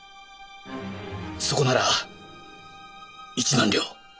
そこなら１万両。